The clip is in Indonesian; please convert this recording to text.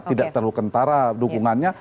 tidak terlalu kentara dukungannya